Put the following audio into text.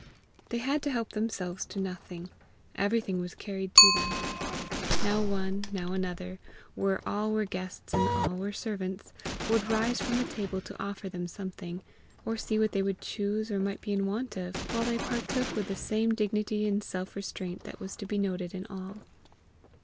They had to help themselves to nothing; everything was carried to them. Now one, now another, where all were guests and all were servants, would rise from the table to offer them something, or see what they would choose or might be in want of, while they partook with the same dignity and self restraint that was to be noted in all.